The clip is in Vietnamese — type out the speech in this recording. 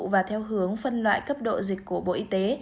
và theo hướng phân loại cấp độ dịch của bộ y tế